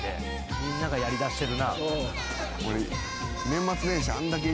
みんながやりだしてる。